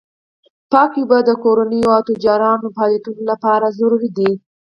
پاکې اوبه د کورنیو او سوداګریزو فعالیتونو لپاره ضروري دي.